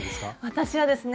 私はですね